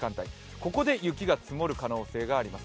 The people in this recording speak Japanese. ここで雪が積もる可能性があります。